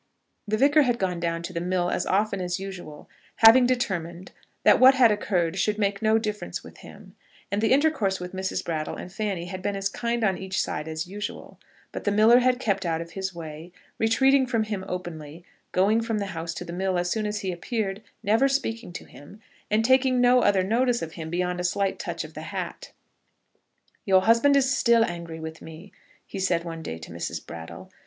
The Vicar had gone down to the mill as often as usual, having determined that what had occurred should make no difference with him; and the intercourse with Mrs. Brattle and Fanny had been as kind on each side as usual; but the miller had kept out of his way, retreating from him openly, going from the house to the mill as soon as he appeared, never speaking to him, and taking no other notice of him beyond a slight touch of the hat. "Your husband is still angry with me," he said one day to Mrs. Brattle.